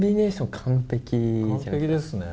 完璧ですね。